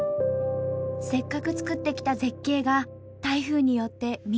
せっかくつくってきた絶景が台風によって水の泡。